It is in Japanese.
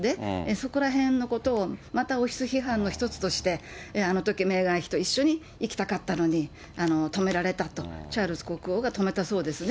そこらへんのことをまた王室批判の一つとして、あのとき、メーガン妃と一緒に行きたかったのに止められたと、チャールズ国王が止めたそうですね。